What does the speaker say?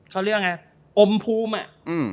เขาเรียกว่าไงอมภูมิอะ